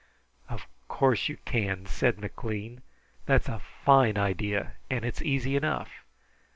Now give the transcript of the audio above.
"Of course you can," said McLean. "That's a fine idea and it's easy enough.